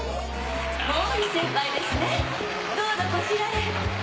毛利先輩ですねどうぞこちらへ。